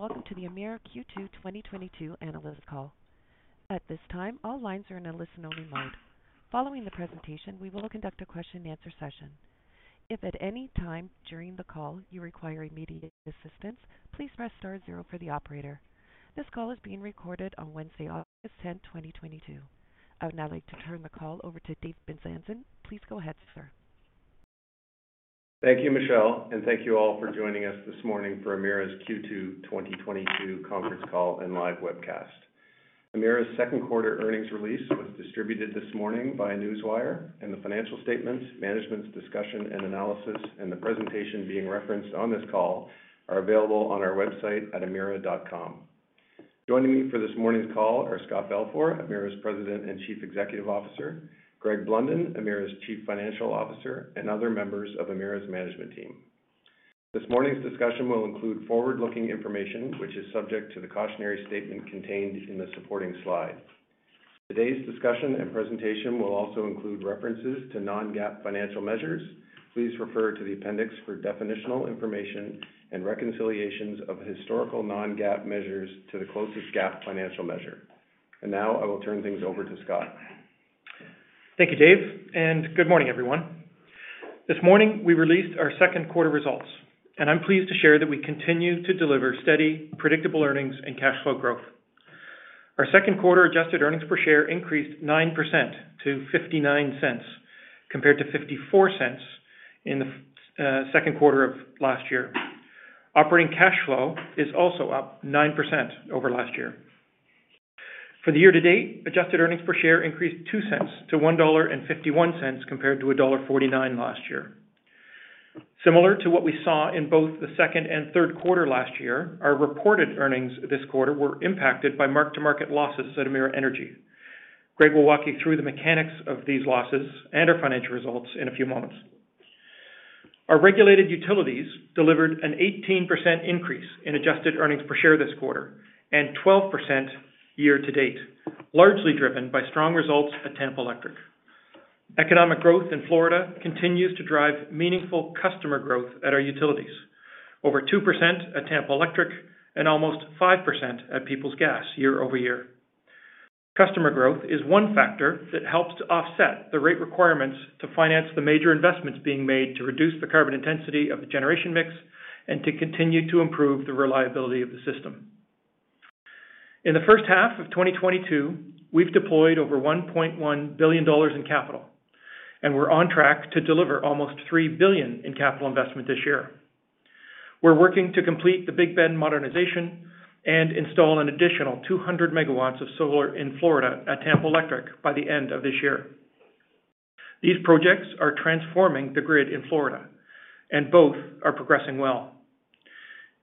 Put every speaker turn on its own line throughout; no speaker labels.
Welcome to the Emera Q2 2022 analyst call. At this time, all lines are in a listen-only mode. Following the presentation, we will conduct a question-and-answer session. If at any time during the call you require immediate assistance, please press star zero for the operator. This call is being recorded on Wednesday, August tenth, 2022. I would now like to turn the call over to Dave Bezanson. Please go ahead, sir.
Thank you, Michelle, and thank you all for joining us this morning for Emera's Q2 2022 conference call and live webcast. Emera's second quarter earnings release was distributed this morning via Newswire, and the financial statements, management's discussion and analysis, and the presentation being referenced on this call are available on our website at emera.com. Joining me for this morning's call are Scott Balfour, Emera's President and Chief Executive Officer, Greg Blunden, Emera's Chief Financial Officer, and other members of Emera's management team. This morning's discussion will include forward-looking information which is subject to the cautionary statement contained in the supporting slide. Today's discussion and presentation will also include references to non-GAAP financial measures. Please refer to the appendix for definitional information and reconciliations of historical non-GAAP measures to the closest GAAP financial measure. Now I will turn things over to Scott.
Thank you, Dave, and good morning, everyone. This morning, we released our second quarter results, and I'm pleased to share that we continue to deliver steady, predictable earnings and cash flow growth. Our second quarter adjusted earnings per share increased 9% to 0.59 compared to 0.54 in the second quarter of last year. Operating cash flow is also up 9% over last year. For the year to date, adjusted earnings per share increased 0.02 to 1.51 dollar compared to dollar 1.49 last year. Similar to what we saw in both the second and third quarter last year, our reported earnings this quarter were impacted by mark-to-market losses at Emera Energy. Greg will walk you through the mechanics of these losses and our financial results in a few moments. Our regulated utilities delivered an 18% increase in adjusted earnings per share this quarter and 12% year to date, largely driven by strong results at Tampa Electric. Economic growth in Florida continues to drive meaningful customer growth at our utilities. Over 2% at Tampa Electric and almost 5% at Peoples Gas year-over-year. Customer growth is one factor that helps to offset the rate requirements to finance the major investments being made to reduce the carbon intensity of the generation mix and to continue to improve the reliability of the system. In the first half of 2022, we've deployed over 1.1 billion dollars in capital, and we're on track to deliver almost 3 billion in capital investment this year. We're working to complete the Big Bend modernization and install an additional 200 MW of solar in Florida at Tampa Electric by the end of this year. These projects are transforming the grid in Florida and both are progressing well.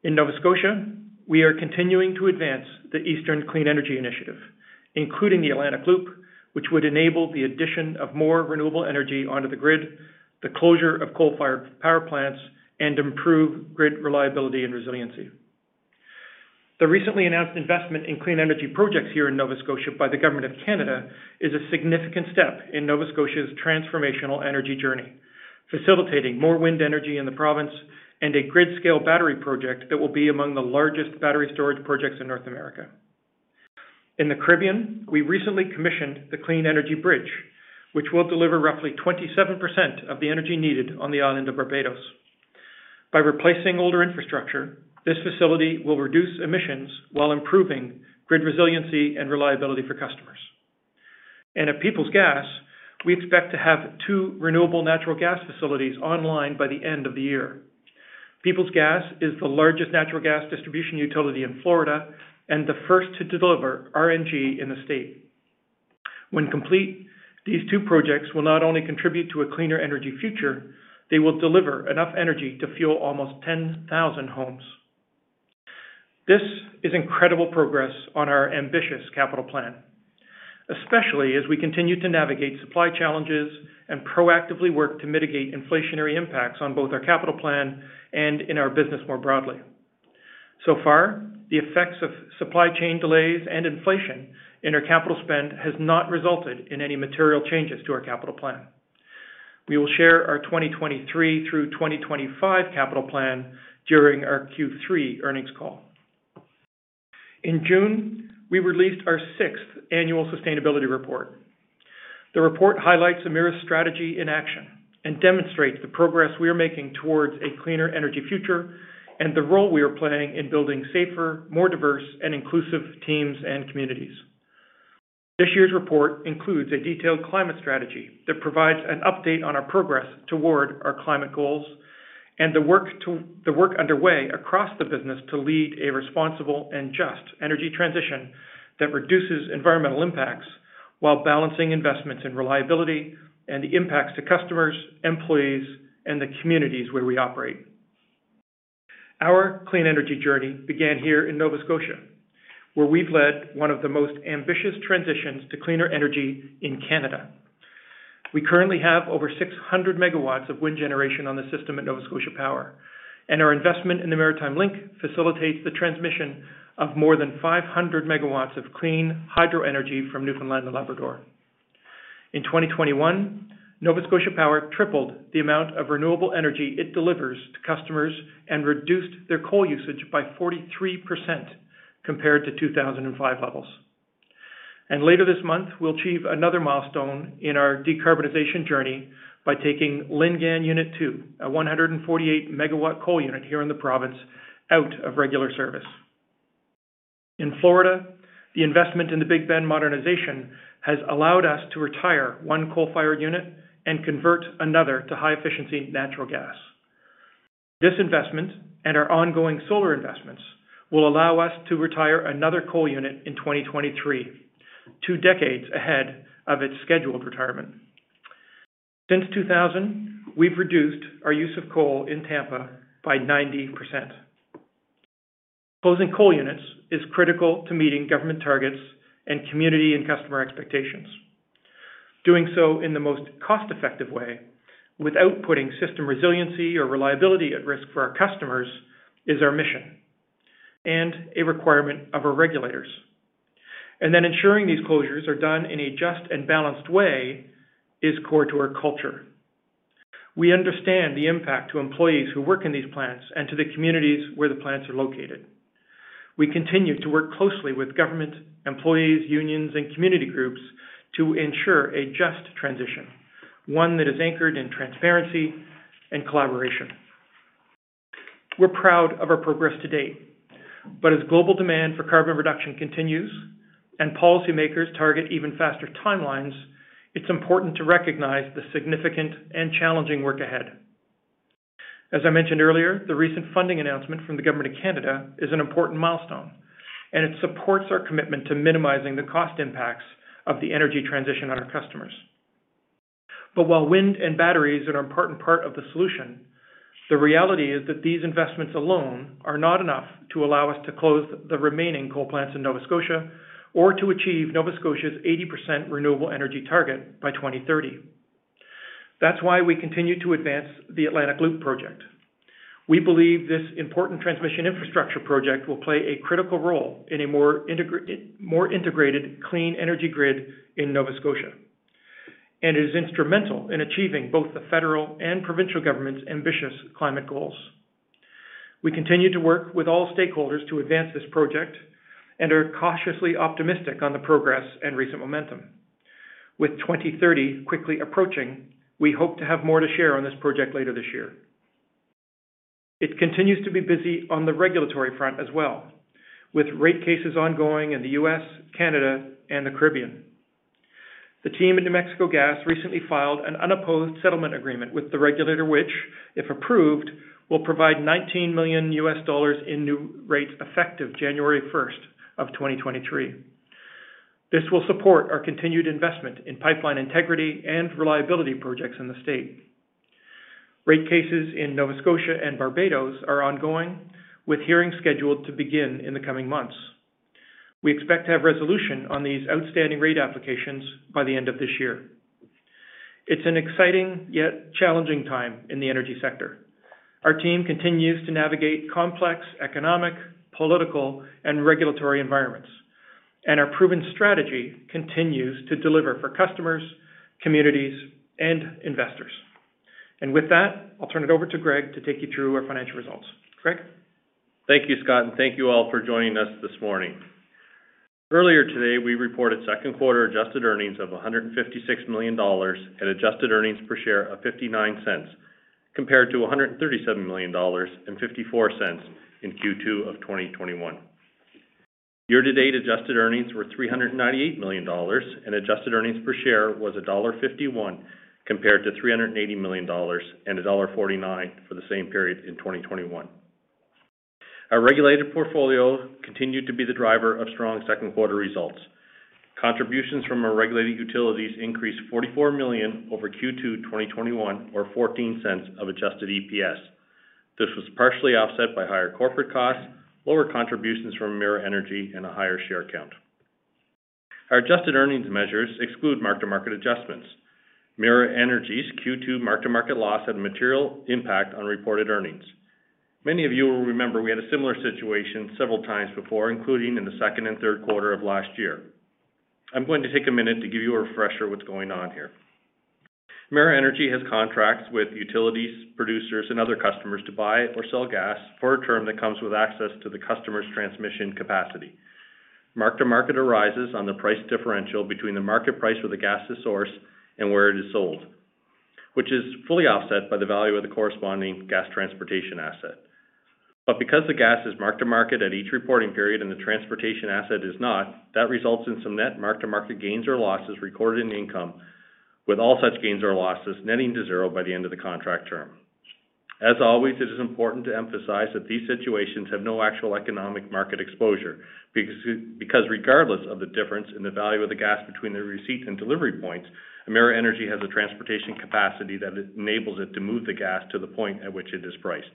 In Nova Scotia, we are continuing to advance the Eastern Clean Energy Initiative, including the Atlantic Loop, which would enable the addition of more renewable energy onto the grid, the closure of coal-fired power plants, and improve grid reliability and resiliency. The recently announced investment in clean energy projects here in Nova Scotia by the Government of Canada is a significant step in Nova Scotia's transformational energy journey, facilitating more wind energy in the province and a grid-scale battery project that will be among the largest battery storage projects in North America. In the Caribbean, we recently commissioned the Clean Energy Bridge, which will deliver roughly 27% of the energy needed on the island of Barbados. By replacing older infrastructure, this facility will reduce emissions while improving grid resiliency and reliability for customers. At Peoples Gas, we expect to have two renewable natural gas facilities online by the end of the year. Peoples Gas is the largest natural gas distribution utility in Florida and the first to deliver RNG in the state. When complete, these two projects will not only contribute to a cleaner energy future, they will deliver enough energy to fuel almost 10,000 homes. This is incredible progress on our ambitious capital plan, especially as we continue to navigate supply challenges and proactively work to mitigate inflationary impacts on both our capital plan and in our business more broadly. So far, the effects of supply chain delays and inflation in our capital spend has not resulted in any material changes to our capital plan. We will share our 2023 through 2025 capital plan during our Q3 earnings call. In June, we released our sixth annual sustainability report. The report highlights Emera's strategy in action and demonstrates the progress we are making towards a cleaner energy future and the role we are playing in building safer, more diverse, and inclusive teams and communities. This year's report includes a detailed climate strategy that provides an update on our progress toward our climate goals and the work underway across the business to lead a responsible and just energy transition that reduces environmental impacts while balancing investments in reliability and the impacts to customers, employees, and the communities where we operate. Our clean energy journey began here in Nova Scotia, where we've led one of the most ambitious transitions to cleaner energy in Canada. We currently have over 600 MW of wind generation on the system at Nova Scotia Power, and our investment in the Maritime Link facilitates the transmission of more than 500 MW of clean hydro energy from Newfoundland and Labrador. In 2021, Nova Scotia Power tripled the amount of renewable energy it delivers to customers and reduced their coal usage by 43% compared to 2005 levels. Later this month, we'll achieve another milestone in our decarbonization journey by taking Lingan Unit Two, a 148-MW coal unit here in the province, out of regular service. In Florida, the investment in the Big Bend modernization has allowed us to retire one coal-fired unit and convert another to high-efficiency natural gas. This investment and our ongoing solar investments will allow us to retire another coal unit in 2023, two decades ahead of its scheduled retirement. Since 2000, we've reduced our use of coal in Tampa by 90%. Closing coal units is critical to meeting government targets and community and customer expectations. Doing so in the most cost-effective way without putting system resiliency or reliability at risk for our customers is our mission and a requirement of our regulators. Ensuring these closures are done in a just and balanced way is core to our culture. We understand the impact to employees who work in these plants and to the communities where the plants are located. We continue to work closely with government employees, unions, and community groups to ensure a just transition, one that is anchored in transparency and collaboration. We're proud of our progress to date. Global demand for carbon reduction continues and policymakers target even faster timelines, it's important to recognize the significant and challenging work ahead. As I mentioned earlier, the recent funding announcement from the government of Canada is an important milestone, and it supports our commitment to minimizing the cost impacts of the energy transition on our customers. While wind and batteries are an important part of the solution, the reality is that these investments alone are not enough to allow us to close the remaining coal plants in Nova Scotia or to achieve Nova Scotia's 80% renewable energy target by 2030. That's why we continue to advance the Atlantic Loop project. We believe this important transmission infrastructure project will play a critical role in a more integrated clean energy grid in Nova Scotia and is instrumental in achieving both the federal and provincial government's ambitious climate goals. We continue to work with all stakeholders to advance this project and are cautiously optimistic on the progress and recent momentum. With 2030 quickly approaching, we hope to have more to share on this project later this year. It continues to be busy on the regulatory front as well, with rate cases ongoing in the U.S., Canada, and the Caribbean. The team at New Mexico Gas recently filed an unopposed settlement agreement with the regulator which, if approved, will provide $19 million in new rates effective January 1, 2023. This will support our continued investment in pipeline integrity and reliability projects in the state. Rate cases in Nova Scotia and Barbados are ongoing, with hearings scheduled to begin in the coming months. We expect to have resolution on these outstanding rate applications by the end of this year. It's an exciting yet challenging time in the energy sector. Our team continues to navigate complex economic, political, and regulatory environments, and our proven strategy continues to deliver for customers, communities, and investors. With that, I'll turn it over to Greg to take you through our financial results. Greg?
Thank you, Scott, and thank you all for joining us this morning. Earlier today, we reported second-quarter adjusted earnings of 156 million dollars and adjusted earnings per share of 0.59 compared to 137 million dollars and 0.54 in Q2 of 2021. Year-to-date adjusted earnings were 398 million dollars and adjusted earnings per share was dollar 1.51 compared to 380 million dollars and dollar 1.49 for the same period in 2021. Our regulated portfolio continued to be the driver of strong second-quarter results. Contributions from our regulated utilities increased 44 million over Q2 2021 or 0.14 of adjusted EPS. This was partially offset by higher corporate costs, lower contributions from Emera Energy, and a higher share count. Our adjusted earnings measures exclude mark-to-market adjustments. Emera Energy's Q2 mark-to-market loss had a material impact on reported earnings. Many of you will remember we had a similar situation several times before, including in the second and third quarter of last year. I'm going to take a minute to give you a refresher what's going on here. Emera Energy has contracts with utilities, producers, and other customers to buy or sell gas for a term that comes with access to the customer's transmission capacity. Mark-to-market arises on the price differential between the market price where the gas is sourced and where it is sold, which is fully offset by the value of the corresponding gas transportation asset. Because the gas is mark-to-market at each reporting period and the transportation asset is not, that results in some net mark-to-market gains or losses recorded in income, with all such gains or losses netting to zero by the end of the contract term. As always, it is important to emphasize that these situations have no actual economic market exposure because regardless of the difference in the value of the gas between the receipt and delivery points, Emera Energy has a transportation capacity that enables it to move the gas to the point at which it is priced.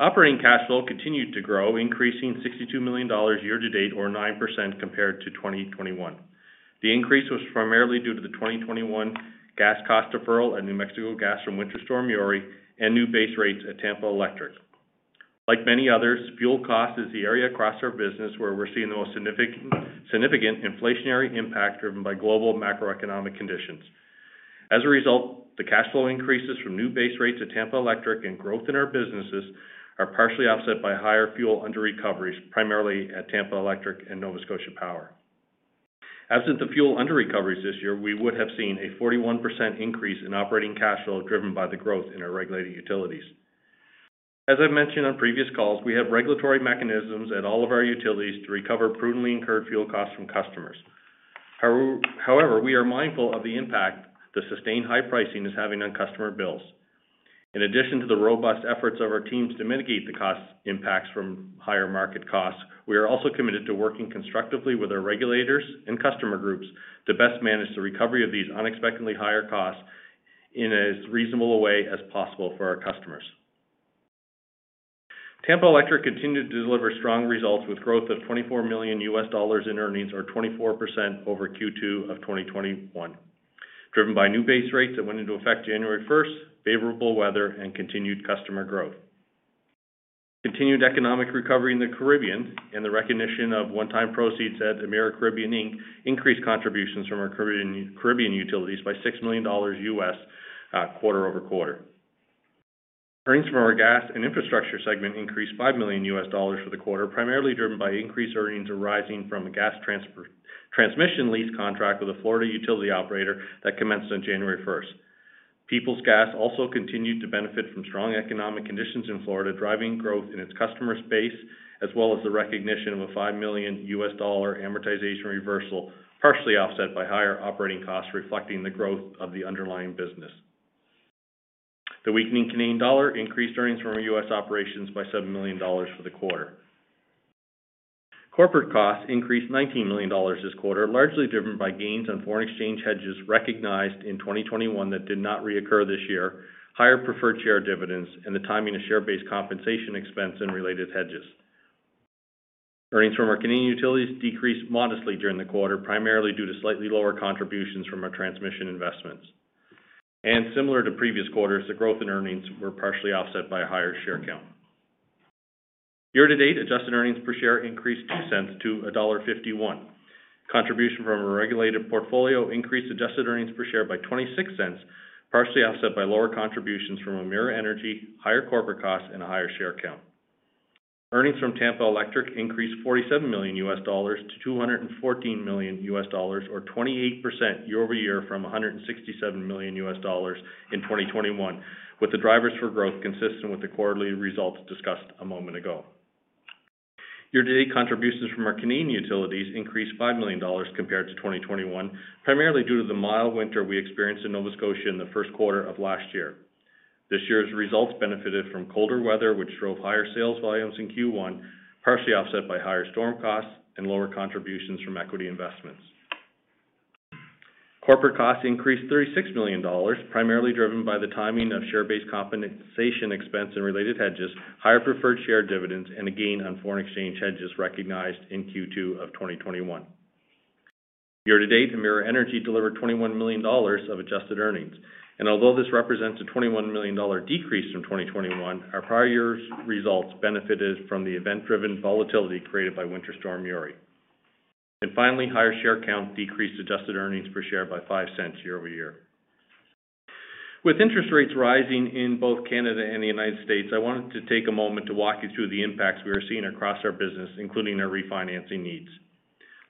Operating cash flow continued to grow, increasing 62 million dollars year to date or 9% compared to 2021. The increase was primarily due to the 2021 gas cost deferral at New Mexico Gas from Winter Storm Uri and new base rates at Tampa Electric. Like many others, fuel cost is the area across our business where we're seeing the most significant inflationary impact driven by global macroeconomic conditions. As a result, the cash flow increases from new base rates at Tampa Electric and growth in our businesses are partially offset by higher fuel underrecoveries, primarily at Tampa Electric and Nova Scotia Power. Absent the fuel underrecoveries this year, we would have seen a 41% increase in operating cash flow driven by the growth in our regulated utilities. As I've mentioned on previous calls, we have regulatory mechanisms at all of our utilities to recover prudently incurred fuel costs from customers. However, we are mindful of the impact the sustained high pricing is having on customer bills. In addition to the robust efforts of our teams to mitigate the cost impacts from higher market costs, we are also committed to working constructively with our regulators and customer groups to best manage the recovery of these unexpectedly higher costs in as reasonable a way as possible for our customers. Tampa Electric continued to deliver strong results with growth of $24 million in earnings or 24% over Q2 of 2021, driven by new base rates that went into effect January first, favorable weather and continued customer growth. Continued economic recovery in the Caribbean and the recognition of one-time proceeds at Emera Caribbean Inc. increased contributions from our Caribbean utilities by $6 million quarter-over-quarter. Earnings from our gas and infrastructure segment increased $5 million for the quarter, primarily driven by increased earnings arising from a gas transmission lease contract with a Florida utility operator that commenced on January first. Peoples Gas also continued to benefit from strong economic conditions in Florida, driving growth in its customer base, as well as the recognition of a $5 million amortization reversal, partially offset by higher operating costs reflecting the growth of the underlying business. The weakening Canadian dollar increased earnings from our US operations by 7 million dollars for the quarter. Corporate costs increased 19 million dollars this quarter, largely driven by gains on foreign exchange hedges recognized in 2021 that did not reoccur this year, higher preferred share dividends, and the timing of share-based compensation expense and related hedges. Earnings from our Canadian utilities decreased modestly during the quarter, primarily due to slightly lower contributions from our transmission investments. Similar to previous quarters, the growth in earnings were partially offset by a higher share count. Year to date, adjusted earnings per share increased 0.02 to dollar 1.51. Contribution from our regulated portfolio increased adjusted earnings per share by 0.26, partially offset by lower contributions from Emera Energy, higher corporate costs and a higher share count. Earnings from Tampa Electric increased $47 million-$214 million or 28% year-over-year from $167 million in 2021, with the drivers for growth consistent with the quarterly results discussed a moment ago. Year-to-date contributions from our Canadian utilities increased 5 million dollars compared to 2021, primarily due to the mild winter we experienced in Nova Scotia in the first quarter of last year. This year's results benefited from colder weather, which drove higher sales volumes in Q1, partially offset by higher storm costs and lower contributions from equity investments. Corporate costs increased 36 million dollars, primarily driven by the timing of share-based compensation expense and related hedges, higher preferred share dividends, and a gain on foreign exchange hedges recognized in Q2 of 2021. Year-to-date, Emera Energy delivered 21 million dollars of adjusted earnings. Although this represents a 21 million dollar decrease from 2021, our prior year's results benefited from the event-driven volatility created by Winter Storm Uri. Finally, higher share count decreased adjusted earnings per share by 0.05 year-over-year. With interest rates rising in both Canada and the United States, I wanted to take a moment to walk you through the impacts we are seeing across our business, including our refinancing needs.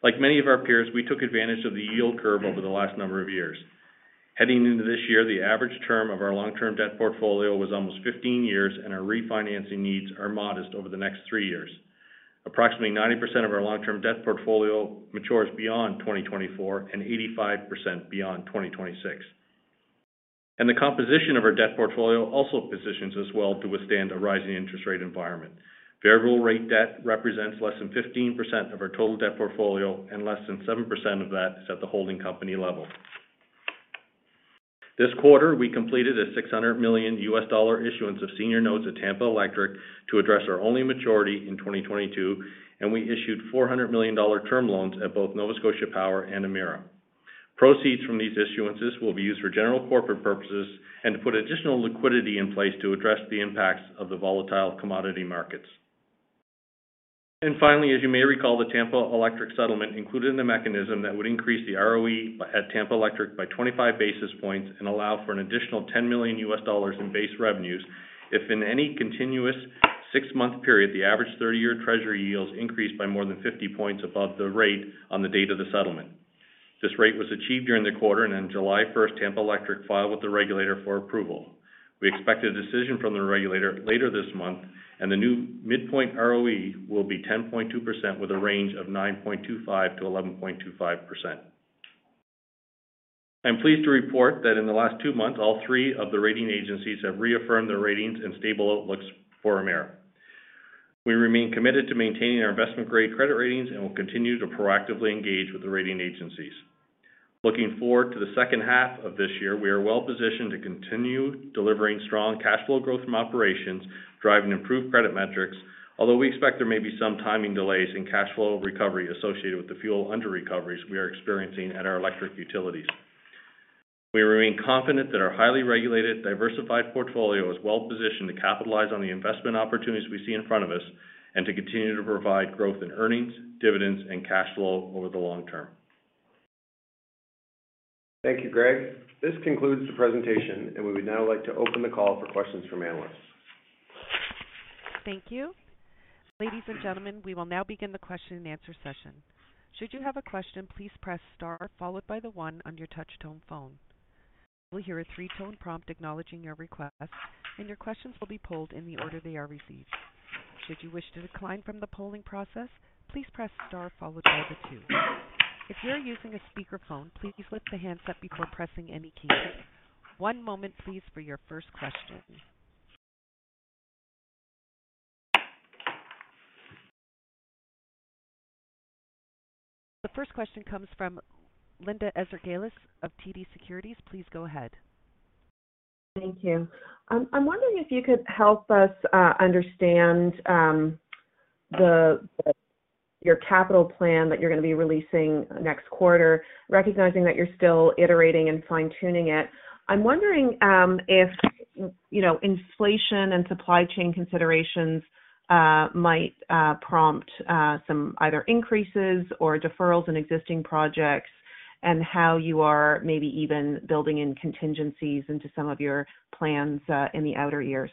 Like many of our peers, we took advantage of the yield curve over the last number of years. Heading into this year, the average term of our long-term debt portfolio was almost 15 years, and our refinancing needs are modest over the next 3 years. Approximately 90% of our long-term debt portfolio matures beyond 2024 and 85% beyond 2026. The composition of our debt portfolio also positions us well to withstand a rising interest rate environment. Variable rate debt represents less than 15% of our total debt portfolio, and less than 7% of that is at the holding company level. This quarter, we completed a $600 million issuance of senior notes at Tampa Electric to address our only maturity in 2022, and we issued $400 million term loans at both Nova Scotia Power and Emera. Proceeds from these issuances will be used for general corporate purposes and to put additional liquidity in place to address the impacts of the volatile commodity markets. Finally, as you may recall, the Tampa Electric settlement included a mechanism that would increase the ROE at Tampa Electric by 25 basis points and allow for an additional $10 million in base revenues if in any continuous six-month period, the average 30-year Treasury yields increased by more than 50 points above the rate on the date of the settlement. This rate was achieved during the quarter, and on July 1, Tampa Electric filed with the regulator for approval. We expect a decision from the regulator later this month, and the new midpoint ROE will be 10.2% with a range of 9.25%-11.25%. I'm pleased to report that in the last two months, all three of the rating agencies have reaffirmed their ratings and stable outlooks for Emera. We remain committed to maintaining our investment-grade credit ratings and will continue to proactively engage with the rating agencies. Looking forward to the second half of this year, we are well-positioned to continue delivering strong cash flow growth from operations, driving improved credit metrics. Although we expect there may be some timing delays in cash flow recovery associated with the fuel under recoveries we are experiencing at our electric utilities. We remain confident that our highly regulated, diversified portfolio is well-positioned to capitalize on the investment opportunities we see in front of us and to continue to provide growth in earnings, dividends, and cash flow over the long term.
Thank you, Greg. This concludes the presentation, and we would now like to open the call for questions from analysts.
Thank you. Ladies and gentlemen, we will now begin the question-and-answer session. Should you have a question, please press star followed by the one on your touch-tone phone. You will hear a three-tone prompt acknowledging your request, and your questions will be polled in the order they are received. Should you wish to decline from the polling process, please press star followed by the two. If you are using a speakerphone, please lift the handset before pressing any key. One moment please for your first question. The first question comes from Linda Ezergailis of TD Securities. Please go ahead.
Thank you. I'm wondering if you could help us understand your capital plan that you're going to be releasing next quarter, recognizing that you're still iterating and fine-tuning it. I'm wondering if you know inflation and supply chain considerations might prompt some either increases or deferrals in existing projects and how you are maybe even building in contingencies into some of your plans in the outer years.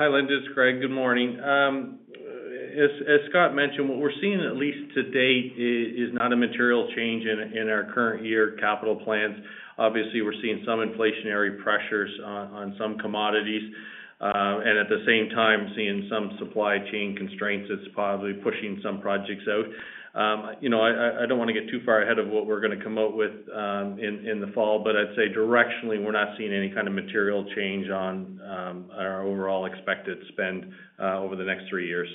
Hi, Linda. It's Greg. Good morning. As Scott mentioned, what we're seeing at least to date is not a material change in our current year capital plans. Obviously, we're seeing some inflationary pressures on some commodities, and at the same time, seeing some supply chain constraints that's possibly pushing some projects out. You know, I don't want to get too far ahead of what we're going to come out with in the fall, but I'd say directionally, we're not seeing any kind of material change on our overall expected spend over the next three years.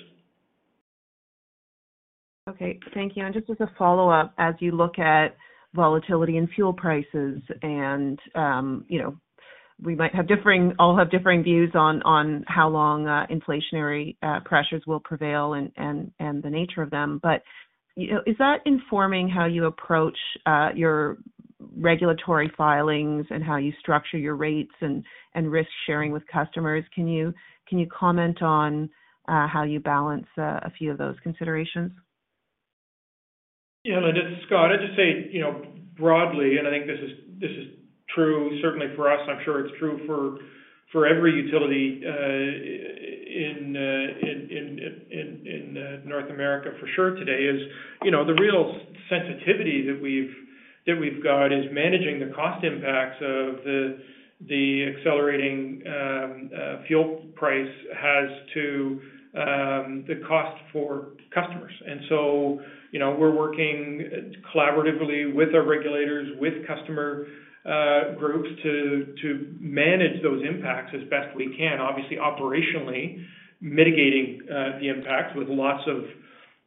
Okay. Thank you. Just as a follow-up, as you look at volatility in fuel prices and, you know, all have differing views on how long inflationary pressures will prevail and the nature of them. You know, is that informing how you approach your regulatory filings and how you structure your rates and risk-sharing with customers? Can you comment on how you balance a few of those considerations?
Yeah. Linda, this is Scott. I'd just say, you know, broadly, and I think this is true certainly for us, and I'm sure it's true for every utility in North America for sure. Today, you know, the real sensitivity that we've got is managing the cost impacts of the accelerating fuel price pass-through to the cost for customers. You know, we're working collaboratively with our regulators, with customer groups to manage those impacts as best we can, obviously, operationally mitigating the impacts with lots of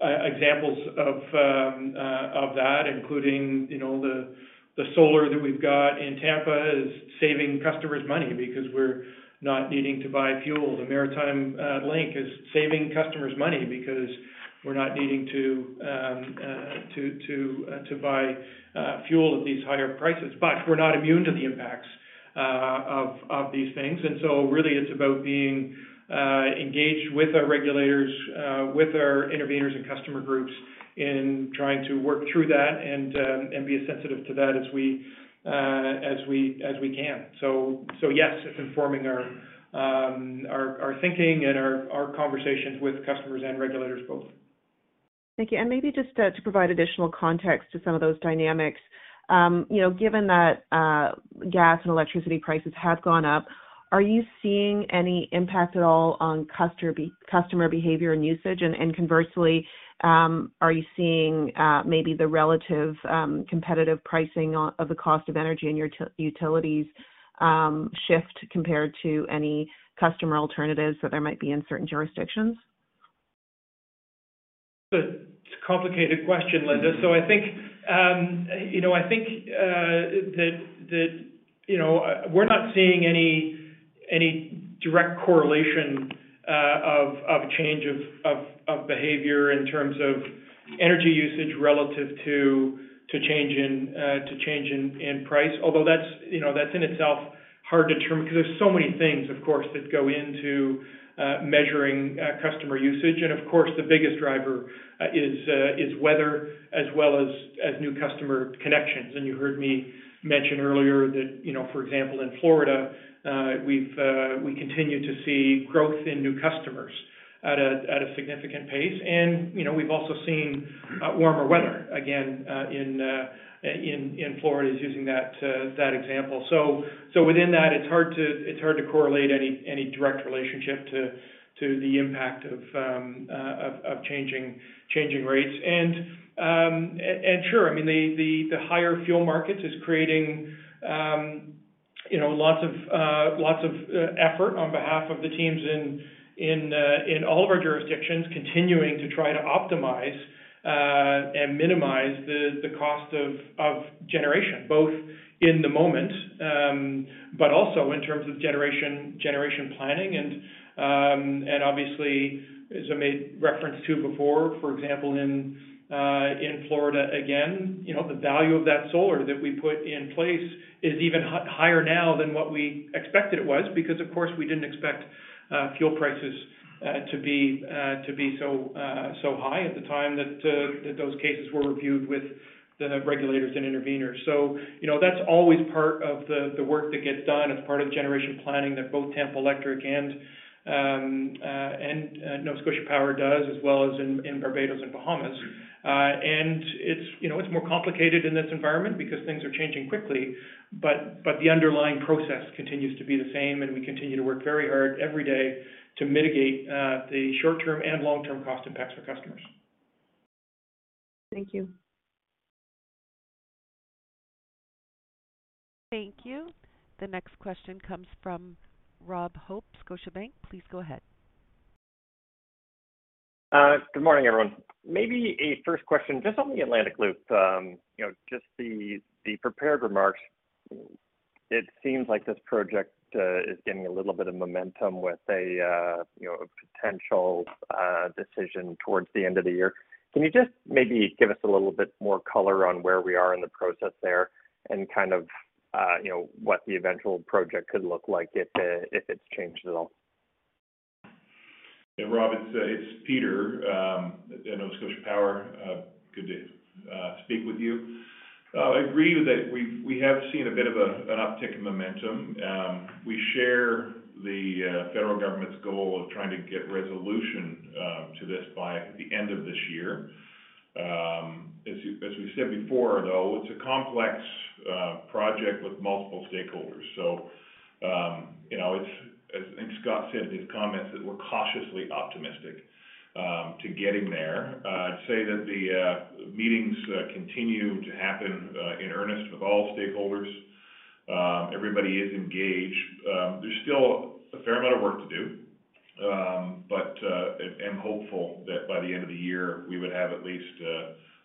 examples of that, including, you know, the solar that we've got in Tampa is saving customers money because we're not needing to buy fuel. The Maritime Link is saving customers money because we're not needing to buy fuel at these higher prices. We're not immune to the impacts of these things. Really, it's about being engaged with our regulators, with our interveners and customer groups in trying to work through that and be as sensitive to that as we can. Yes, it's informing our thinking and our conversations with customers and regulators both.
Thank you. Maybe just to provide additional context to some of those dynamics. You know, given that gas and electricity prices have gone up, are you seeing any impact at all on customer behavior and usage? Conversely, are you seeing maybe the relative competitive pricing of the cost of energy in your utilities shift compared to any customer alternatives that there might be in certain jurisdictions?
It's a complicated question, Linda. I think, you know, I think that, you know, we're not seeing any direct correlation of change of behavior in terms of energy usage relative to change in price. Although that's, you know, that's in itself hard to determine because there's so many things, of course, that go into measuring customer usage. Of course, the biggest driver is weather as well as new customer connections. You heard me mention earlier that, you know, for example, in Florida, we continue to see growth in new customers at a significant pace. You know, we've also seen warmer weather again in Florida, just using that example. Within that, it's hard to correlate any direct relationship to the impact of changing rates. Sure, I mean, the higher fuel markets is creating You know, lots of effort on behalf of the teams in all of our jurisdictions continuing to try to optimize and minimize the cost of generation, both in the moment, but also in terms of generation planning. Obviously, as I made reference to before, for example, in Florida, again, you know, the value of that solar that we put in place is even higher now than what we expected it was because of course, we didn't expect fuel prices to be so high at the time that those cases were reviewed with the regulators and interveners. You know, that's always part of the work that gets done as part of the generation planning that both Tampa Electric and Nova Scotia Power does, as well as in Barbados and Bahamas. You know, it's more complicated in this environment because things are changing quickly, but the underlying process continues to be the same, and we continue to work very hard every day to mitigate the short-term and long-term cost impacts for customers.
Thank you.
Thank you. The next question comes from Rob Hope, Scotiabank. Please go ahead.
Good morning, everyone. Maybe a first question just on the Atlantic Loop. You know, just the prepared remarks. It seems like this project is gaining a little bit of momentum with a, you know, a potential decision towards the end of the year. Can you just maybe give us a little bit more color on where we are in the process there and kind of, you know, what the eventual project could look like if it's changed at all?
Yeah, Rob, it's Peter at Nova Scotia Power. Good to speak with you. I agree that we have seen a bit of an uptick in momentum. We share the federal government's goal of trying to get resolution to this by the end of this year. As we said before, though, it's a complex project with multiple stakeholders. You know, as I think Scott said in his comments that we're cautiously optimistic to getting there. I'd say that the meetings continue to happen in earnest with all stakeholders. Everybody is engaged. There's still a fair amount of work to do. I am hopeful that by the end of the year, we would have at least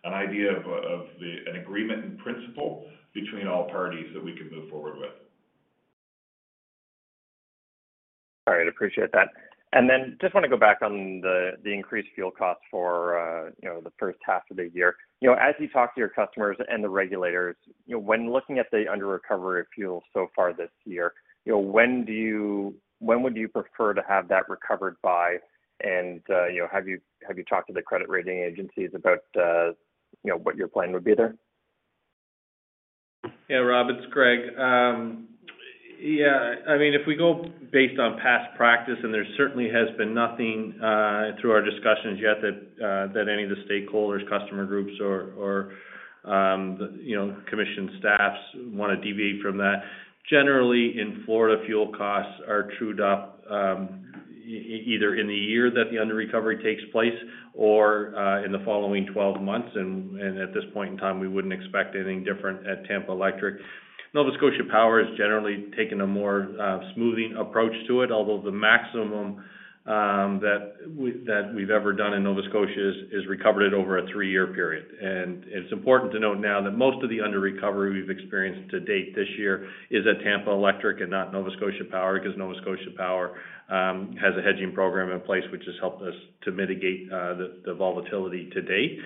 an idea of an agreement in principle between all parties that we can move forward with.
All right. Appreciate that. Just want to go back on the increased fuel costs for, you know, the first half of the year. You know, as you talk to your customers and the regulators, you know, when looking at the under recovery of fuel so far this year, you know, when would you prefer to have that recovered by? You know, have you talked to the credit rating agencies about, you know, what your plan would be there?
Yeah. Rob, it's Greg. Yeah, I mean, if we go based on past practice, and there certainly has been nothing through our discussions yet that any of the stakeholders, customer groups or, you know, commission staffs want to deviate from that. Generally, in Florida, fuel costs are trued up either in the year that the under recovery takes place or in the following 12 months. At this point in time, we wouldn't expect anything different at Tampa Electric. Nova Scotia Power has generally taken a more smoothing approach to it, although the maximum that we've ever done in Nova Scotia is recovered it over a 3-year period. It's important to note now that most of the under-recovery we've experienced to date this year is at Tampa Electric and not Nova Scotia Power because Nova Scotia Power has a hedging program in place which has helped us to mitigate the volatility to date.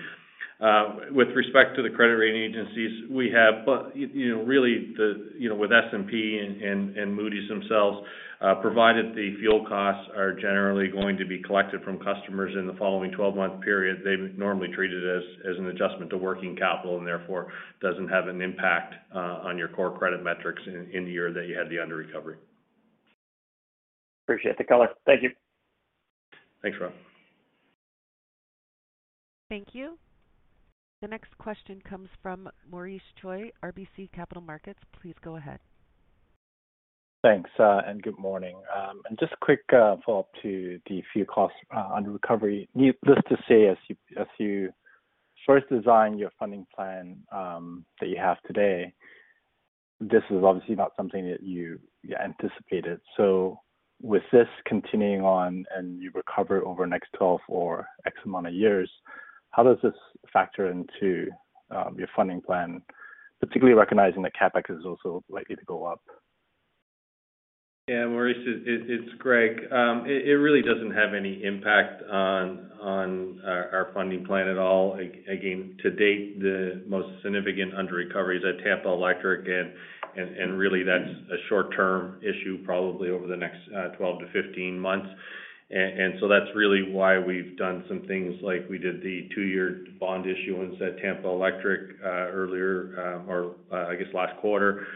With respect to the credit rating agencies, you know, really, you know, with S&P and Moody's themselves, provided the fuel costs are generally going to be collected from customers in the following 12-month period, they normally treat it as an adjustment to working capital and therefore doesn't have an impact on your core credit metrics in the year that you had the under-recovery.
Appreciate the color. Thank you.
Thanks, Rob.
Thank you. The next question comes from Maurice Choy, RBC Capital Markets. Please go ahead.
Thanks, good morning. Just a quick follow-up to the fuel cost under recovery. Just to say, as you first design your funding plan that you have today, this is obviously not something that you anticipated. With this continuing on and you recover over the next 12 or X amount of years, how does this factor into your funding plan, particularly recognizing that CapEx is also likely to go up?
Yeah, Maurice, it's Greg. It really doesn't have any impact on our funding plan at all. To date, the most significant under-recovery is at Tampa Electric, and really that's a short-term issue probably over the next 12-15 months. That's really why we've done some things like we did the two-year bond issuance at Tampa Electric earlier, or I guess last quarter.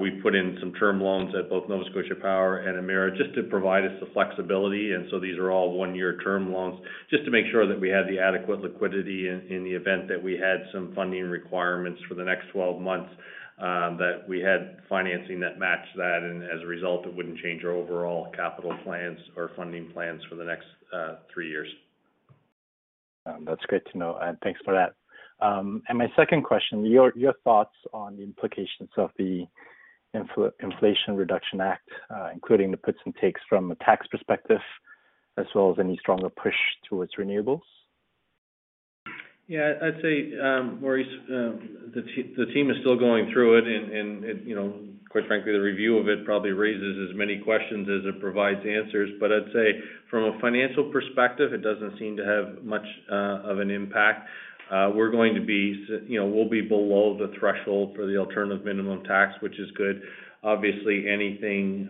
We put in some term loans at both Nova Scotia Power and Emera just to provide us the flexibility. These are all one-year term loans just to make sure that we had the adequate liquidity in the event that we had some funding requirements for the next 12 months that we had financing that matched that. As a result, it wouldn't change our overall capital plans or funding plans for the next three years.
That's great to know, and thanks for that. My second question, your thoughts on the implications of the Inflation Reduction Act, including the puts and takes from a tax perspective, as well as any stronger push towards renewables.
Yeah, I'd say, Maurice, the team is still going through it. You know, quite frankly, the review of it probably raises as many questions as it provides answers. I'd say from a financial perspective, it doesn't seem to have much of an impact. You know, we'll be below the threshold for the alternative minimum tax, which is good. Obviously, anything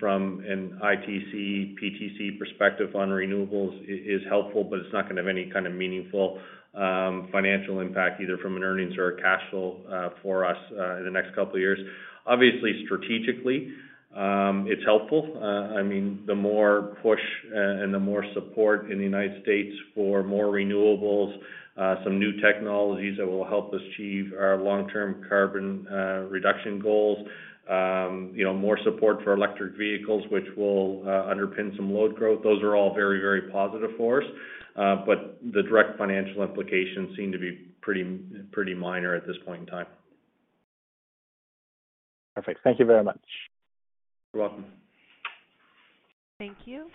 from an ITC, PTC perspective on renewables is helpful, but it's not gonna have any kind of meaningful financial impact, either from an earnings or a cash flow for us in the next couple of years. Obviously, strategically, it's helpful. I mean, the more push and the more support in the United States for more renewables, some new technologies that will help achieve our long-term carbon reduction goals. You know, more support for electric vehicles, which will underpin some load growth. Those are all very, very positive for us. The direct financial implications seem to be pretty minor at this point in time.
Perfect. Thank you very much.
You're welcome.
Thank you.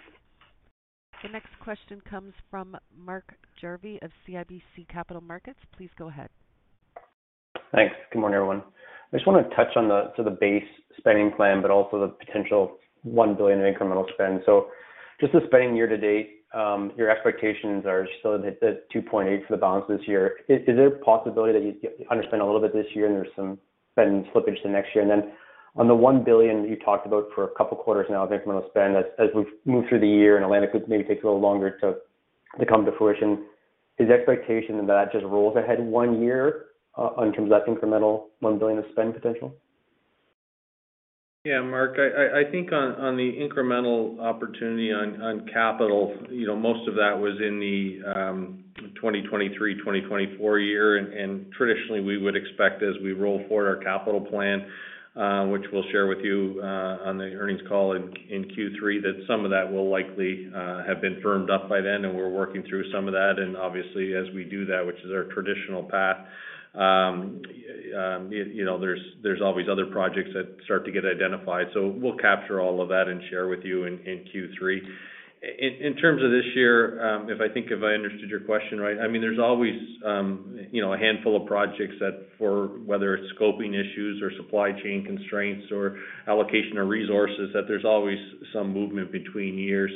The next question comes from Mark Jarvi of CIBC Capital Markets. Please go ahead.
Thanks. Good morning, everyone. I just wanna touch on the sort of base spending plan, but also the potential 1 billion in incremental spend. Just the spending year to date, your expectations are still at the 2.8 for the balance this year. Is there a possibility that you under-spend a little bit this year and there's some spend slippage the next year? Then on the 1 billion that you talked about for a couple of quarters now of incremental spend, as we've moved through the year and Atlantic maybe takes a little longer to come to fruition, is the expectation that just rolls ahead one year in terms of that incremental 1 billion of spend potential?
Yeah, Mark, I think on the incremental opportunity on capital, you know, most of that was in the 2023/2024 year. Traditionally, we would expect as we roll forward our capital plan, which we'll share with you on the earnings call in Q3, that some of that will likely have been firmed up by then, and we're working through some of that. Obviously, as we do that, which is our traditional path, you know, there's always other projects that start to get identified. We'll capture all of that and share with you in Q3. In terms of this year, if I think I understood your question right, I mean, there's always, you know, a handful of projects that for whether it's scoping issues or supply chain constraints or allocation of resources, that there's always some movement between years,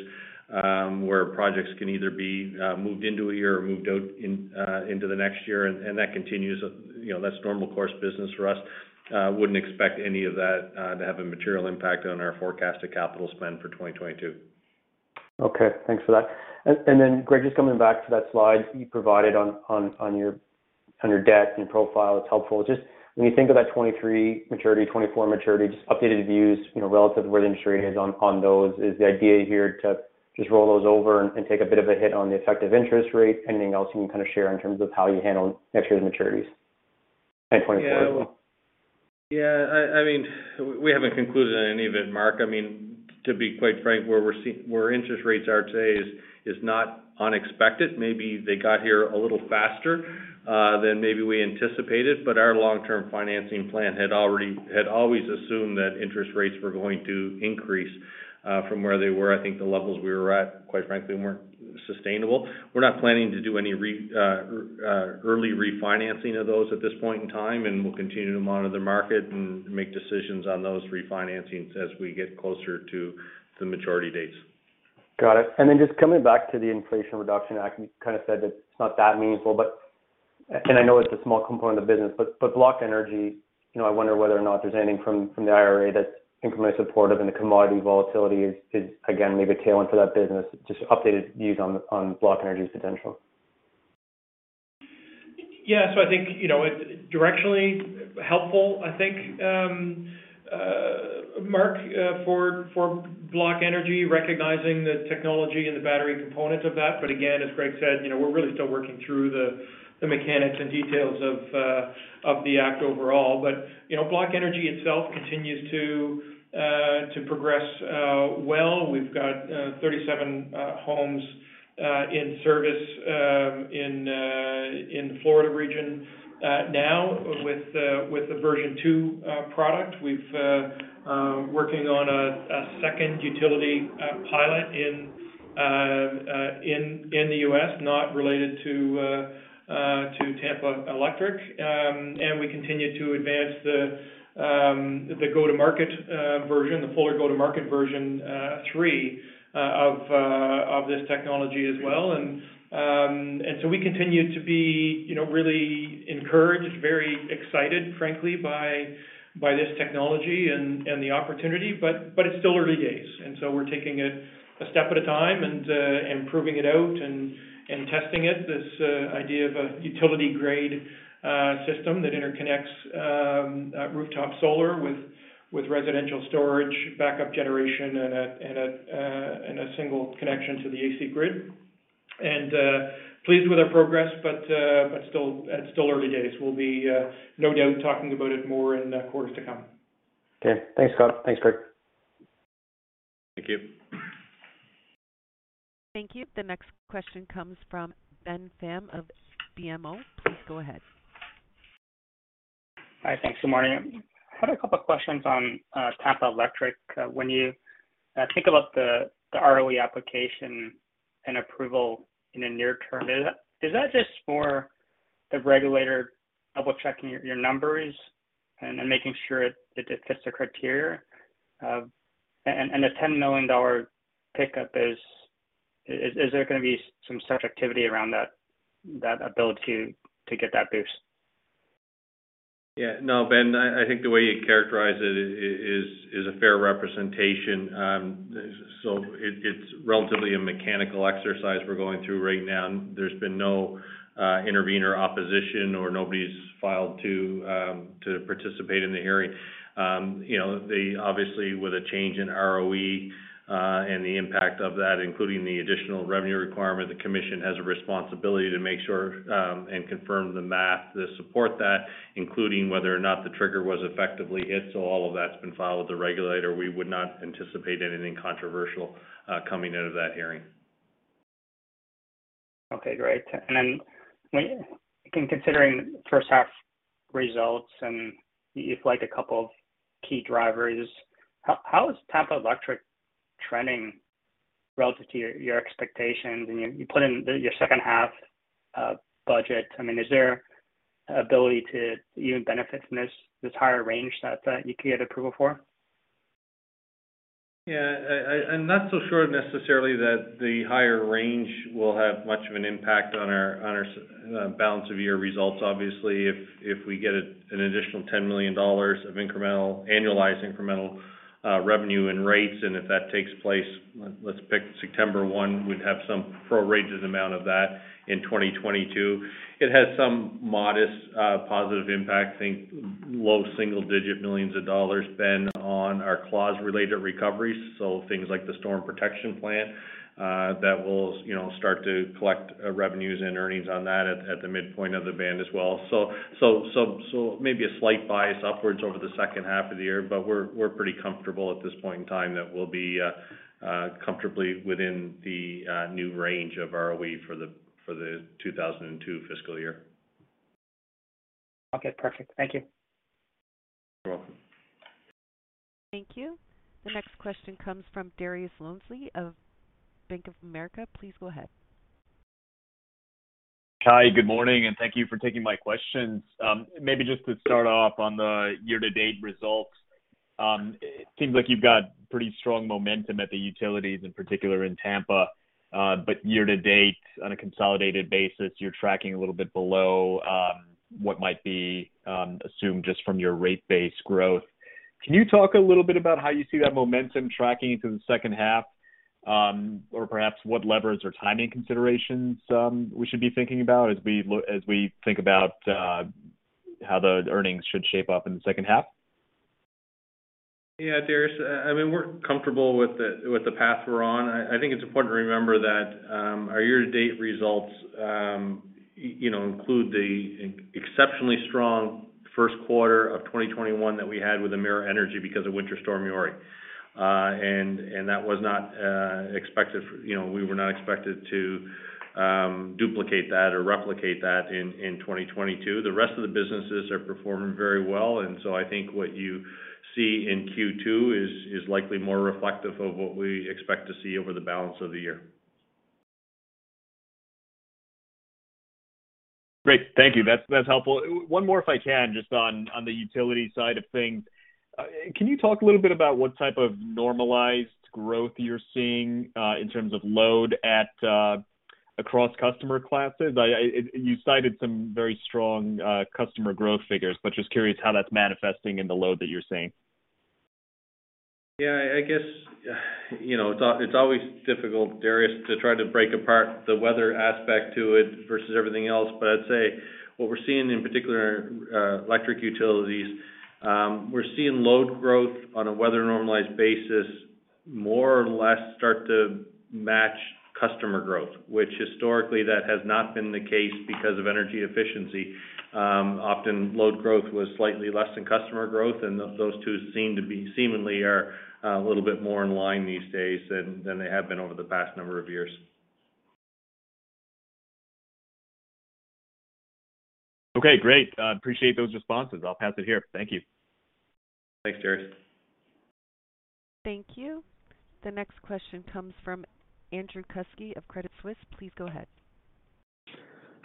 where projects can either be moved into a year or moved out into the next year. That continues, you know, that's normal course business for us. Wouldn't expect any of that to have a material impact on our forecasted capital spend for 2022.
Okay. Thanks for that. Then, Greg, just coming back to that slide you provided on your debt and your profile. It's helpful. Just when you think of that 2023 maturity, 2024 maturity, just updated views, you know, relative to where the industry is on those. Is the idea here to just roll those over and take a bit of a hit on the effective interest rate? Anything else you can share in terms of how you handle next year's maturities, and 2024 as well?
Yeah. I mean, we haven't concluded any of it, Mark. I mean, to be quite frank, where interest rates are today is not unexpected. Maybe they got here a little faster than maybe we anticipated, but our long-term financing plan had always assumed that interest rates were going to increase from where they were. I think the levels we were at, quite frankly, weren't sustainable. We're not planning to do any early refinancing of those at this point in time, and we'll continue to monitor the market and make decisions on those refinancings as we get closer to the maturity dates.
Got it. Just coming back to the Inflation Reduction Act, you kind of said that it's not that meaningful, but I know it's a small component of business, but BlockEnergy, you know, I wonder whether or not there's anything from the IRA that's incrementally supportive and the commodity volatility is again, maybe tailwind for that business. Just updated views on BlockEnergy's potential.
Yeah. I think, you know, it's directionally helpful, I think, Mark, for BlockEnergy, recognizing the technology and the battery components of that. Again, as Greg said, you know, we're really still working through the mechanics and details of the Act overall. You know, BlockEnergy itself continues to progress well. We've got 37 homes in service in the Florida region now with the version 2 product. We're working on a second utility pilot in the U.S., not related to Tampa Electric. We continue to advance the go-to-market version, the full go-to-market version 3 of this technology as well. We continue to be, you know, really encouraged, very excited, frankly, by this technology and the opportunity. It's still early days, and we're taking it a step at a time and proving it out and testing it. This idea of a utility-grade system that interconnects rooftop solar with residential storage, backup generation and a single connection to the AC grid. Pleased with our progress, but still it's early days. We'll be no doubt talking about it more in the quarters to come.
Okay. Thanks, Scott. Thanks, Greg.
Thank you.
Thank you. The next question comes from Ben Pham of BMO. Please go ahead.
Hi. Thanks. Good morning. Had a couple questions on Tampa Electric. When you think about the ROE application and approval in the near term, is that just for the regulator double-checking your numbers and making sure it fits the criteria? The $10 million pickup, is there gonna be some subjectivity around that ability to get that boost?
Yeah. No, Ben, I think the way you characterize it is a fair representation. It's relatively a mechanical exercise we're going through right now. There's been no intervener opposition or nobody's filed to participate in the hearing. You know, they obviously, with a change in ROE and the impact of that, including the additional revenue requirement, the commission has a responsibility to make sure and confirm the math to support that, including whether or not the trigger was effectively hit. All of that's been filed with the regulator. We would not anticipate anything controversial coming out of that hearing.
Okay. Great. When considering first half results and if like a couple of key drivers, how is Tampa Electric trending relative to your expectations? You put in your second half budget. I mean, is there ability to even benefit from this higher range that you could get approval for?
Yeah. I'm not so sure necessarily that the higher range will have much of an impact on our balance of year results. Obviously, if we get an additional 10 million dollars of annualized incremental revenue and rates, and if that takes place, let's pick September one, we'd have some prorated amount of that in 2022. It has some modest positive impact, think low single-digit millions dollars spent on our clause-related recoveries. Things like the Storm Protection Plan that will, you know, start to collect revenues and earnings on that at the midpoint of the band as well. Maybe a slight bias upwards over the second half of the year, but we're pretty comfortable at this point in time that we'll be comfortably within the new range of ROE for the 2002 fiscal year.
Okay. Perfect. Thank you.
You're welcome.
Thank you. The next question comes from Dariusz Lozny of Bank of America. Please go ahead.
Hi. Good morning, and thank you for taking my questions. Maybe just to start off on the year-to-date results. It seems like you've got pretty strong momentum at the utilities, in particular in Tampa. Year-to-date, on a consolidated basis, you're tracking a little bit below what might be assumed just from your rate base growth. Can you talk a little bit about how you see that momentum tracking into the second half? Perhaps what levers or timing considerations we should be thinking about as we think about how the earnings should shape up in the second half?
Yeah. Dariusz, I mean, we're comfortable with the path we're on. I think it's important to remember that our year-to-date results, you know, include the exceptionally strong first quarter of 2021 that we had with Emera Energy because of Winter Storm Uri. And that was not expected. You know, we were not expected to duplicate that or replicate that in 2022. The rest of the businesses are performing very well. I think what you see in Q2 is likely more reflective of what we expect to see over the balance of the year.
Great. Thank you. That's helpful. One more if I can, just on the utility side of things. Can you talk a little bit about what type of normalized growth you're seeing in terms of load across customer classes? You cited some very strong customer growth figures, but just curious how that's manifesting in the load that you're seeing.
Yeah. I guess, you know, it's always difficult, Dariusz, to try to break apart the weather aspect to it versus everything else. I'd say what we're seeing in particular, electric utilities, we're seeing load growth on a weather normalized basis, more or less start to match customer growth, which historically that has not been the case because of energy efficiency. Often load growth was slightly less than customer growth, and those two seemingly are a little bit more in line these days than they have been over the past number of years.
Okay, great. I appreciate those responses. I'll pass it here. Thank you.
Thanks, Dariusz.
Thank you. The next question comes from Andrew Kuske of Credit Suisse. Please go ahead.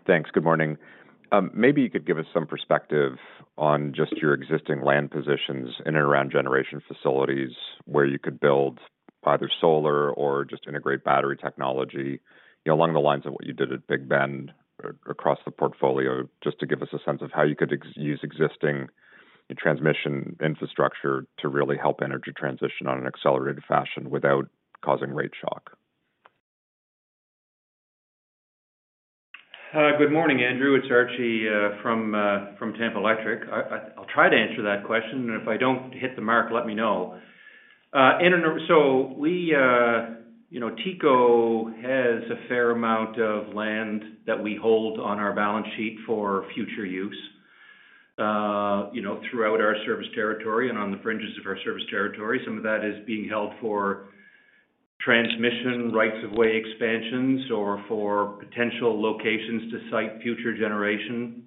Thanks. Good morning. Maybe you could give us some perspective on just your existing land positions in and around generation facilities where you could build either solar or just integrate battery technology. You know, along the lines of what you did at Big Bend across the portfolio, just to give us a sense of how you could use existing transmission infrastructure to really help energy transition on an accelerated fashion without causing rate shock.
Good morning, Andrew. It's Archie from Tampa Electric. I'll try to answer that question. If I don't hit the mark, let me know. You know, TECO has a fair amount of land that we hold on our balance sheet for future use, you know, throughout our service territory and on the fringes of our service territory. Some of that is being held for transmission rights of way expansions or for potential locations to site future generation.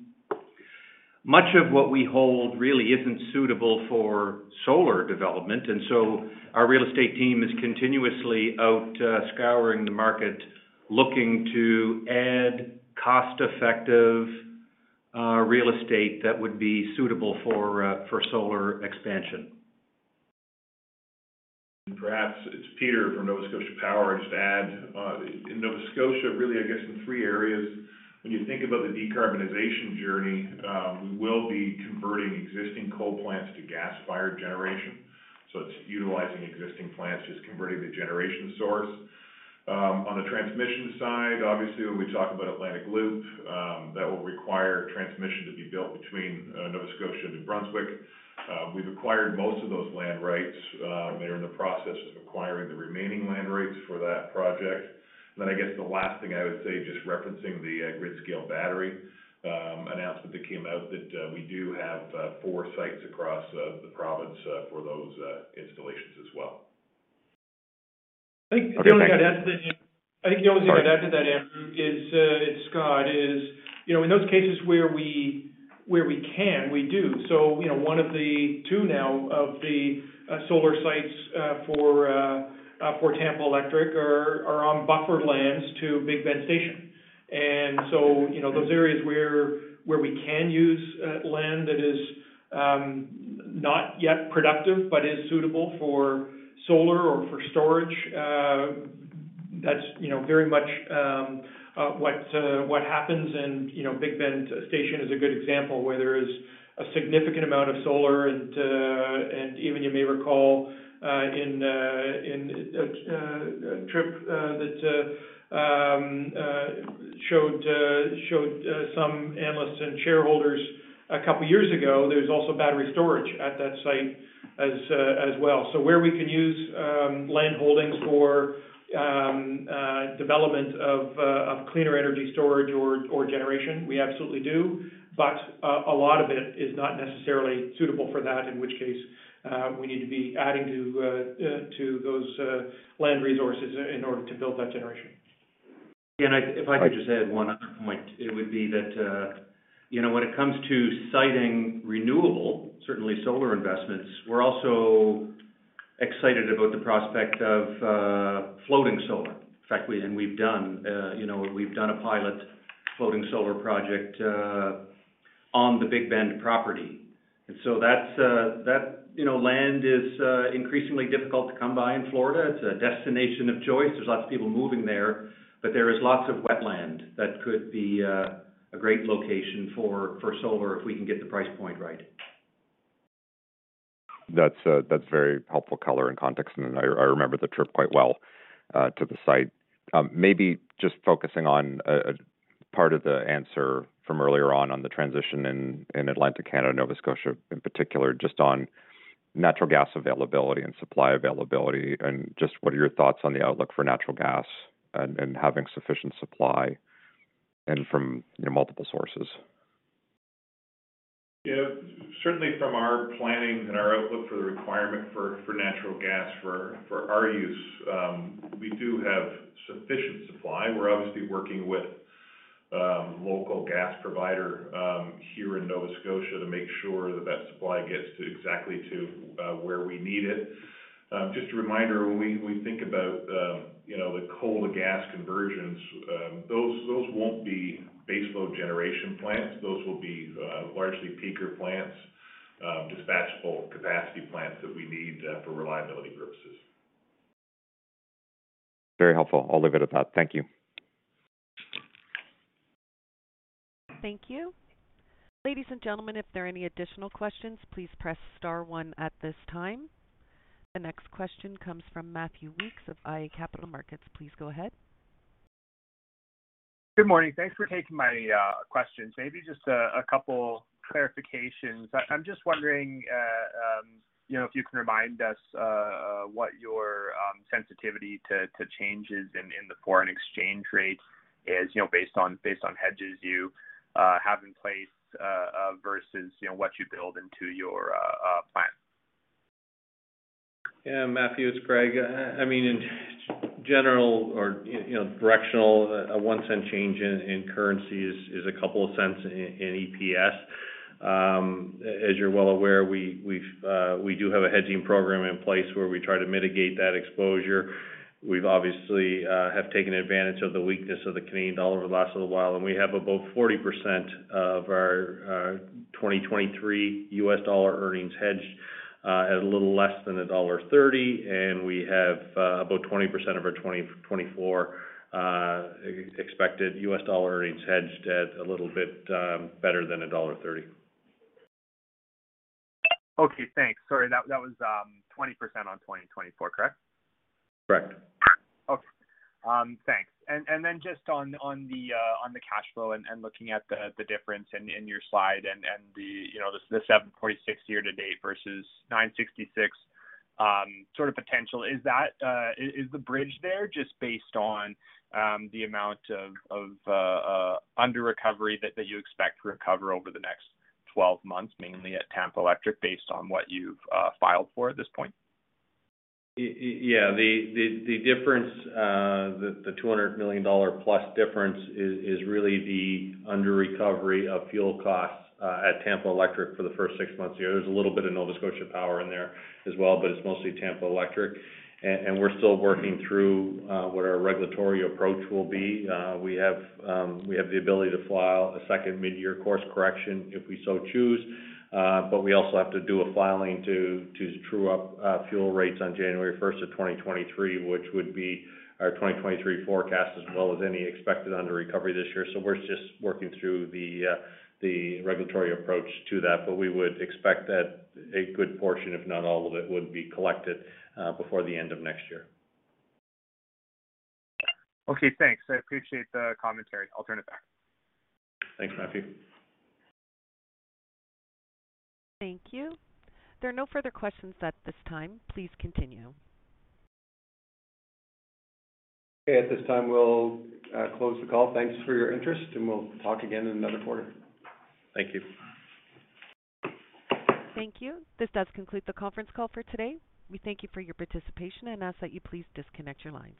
Much of what we hold really isn't suitable for solar development, and so our real estate team is continuously out scouring the market, looking to add cost-effective real estate that would be suitable for solar expansion.
Perhaps it's Peter from Nova Scotia Power. Just to add, in Nova Scotia, really, I guess in three areas, when you think about the decarbonization journey, we will be converting existing coal plants to gas-fired generation. It's utilizing existing plants, just converting the generation source. On the transmission side, obviously, when we talk about Atlantic Loop, that will require transmission to be built between Nova Scotia, New Brunswick. We've acquired most of those land rights. They are in the process of acquiring the remaining land rights for that project. I guess the last thing I would say, just referencing the grid-scale battery announcement that came out that we do have four sites across the province for those installations as well.
I think the only thing to add to that, Andrew, it's Scott, you know, in those cases where we can, we do. You know, one of the two now of the solar sites for Tampa Electric are on buffer lands to Big Bend Station. You know, those areas where we can use land that is not yet productive but is suitable for solar or for storage, that's very much what happens. You know, Big Bend Station is a good example where there is a significant amount of solar. You may even recall, in a trip that showed some analysts and shareholders a couple of years ago, there's also battery storage at that site as well. Where we can use land holdings for development of cleaner energy storage or generation, we absolutely do. A lot of it is not necessarily suitable for that, in which case, we need to be adding to those land resources in order to build that generation.
If I could just add one other point, it would be that, you know, when it comes to siting renewables, certainly solar investments, we're also excited about the prospect of floating solar. In fact, we We've done, you know, a pilot floating solar project on the Big Bend property. That's, you know, land is increasingly difficult to come by in Florida. It's a destination of choice. There's lots of people moving there, but there is lots of wetland that could be a great location for solar if we can get the price point right.
That's very helpful color and context. I remember the trip quite well to the site. Maybe just focusing on a part of the answer from earlier on the transition in Atlantic Canada, Nova Scotia in particular, just on natural gas availability and supply availability. What are your thoughts on the outlook for natural gas and having sufficient supply and from multiple sources?
Yeah. Certainly from our planning and our outlook for the requirement for natural gas for our use, we do have sufficient supply. We're obviously working with local gas provider here in Nova Scotia to make sure that that supply gets to exactly where we need it. Just a reminder, when we think about, you know, the coal to gas conversions, those won't be baseload generation plants. Those will be largely peaker plants, dispatchable capacity plants that we need for reliability purposes.
Very helpful. I'll leave it at that. Thank you.
Thank you. Ladies and gentlemen, if there are any additional questions, please press star one at this time. The next question comes from Matthew Weekes of iA Capital Markets. Please go ahead.
Good morning. Thanks for taking my questions. Maybe just a couple clarifications. I'm just wondering, you know, if you can remind us, what your sensitivity to changes in the foreign exchange rates is, you know, based on hedges you have in place, versus, you know, what you build into your plan.
Yeah. Matthew, it's Greg. I mean, in general or, you know, directional, a $0.01 change in currency is a couple of cents in EPS. As you're well aware, we do have a hedging program in place where we try to mitigate that exposure. We have obviously taken advantage of the weakness of the Canadian dollar over the last little while, and we have about 40% of our 2023 US dollar earnings hedged at a little less than $1.30. We have about 20% of our 2024 expected US dollar earnings hedged at a little bit better than $1.30.
Okay, thanks. Sorry, that was 20% on 2024, correct?
Correct.
Okay. Thanks. Then just on the cash flow and looking at the difference in your slide and the, you know, the 7.6 year to date versus 9.66 sort of potential. Is that the bridge there just based on the amount of under recovery that you expect to recover over the next 12 months, mainly at Tampa Electric, based on what you've filed for at this point?
Yeah. The difference, the $200 million plus difference is really the under recovery of fuel costs at Tampa Electric for the first six months of the year. There's a little bit of Nova Scotia Power in there as well, but it's mostly Tampa Electric. We're still working through what our regulatory approach will be. We have the ability to file a second mid-year course correction if we so choose. We also have to do a filing to true up fuel rates on January first of 2023, which would be our 2023 forecast, as well as any expected underrecovery this year. We're just working through the regulatory approach to that. We would expect that a good portion, if not all of it, would be collected before the end of next year.
Okay, thanks. I appreciate the commentary. I'll turn it back.
Thanks, Matthew.
Thank you. There are no further questions at this time. Please continue.
Okay. At this time, we'll close the call. Thanks for your interest, and we'll talk again in another quarter.
Thank you.
Thank you. This does conclude the conference call for today. We thank you for your participation and ask that you please disconnect your lines.